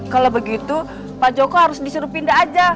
kalau begitu pak joko harus disuruh pindah aja